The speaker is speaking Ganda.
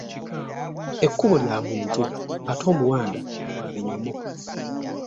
Ekkubo lya muntu ate omuwanda gwa binyomo.